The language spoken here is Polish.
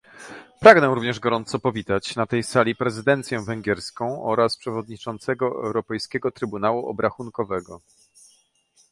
Pragnę również gorąco powitać na tej sali prezydencję węgierską oraz przewodniczącego Europejskiego Trybunału Obrachunkowego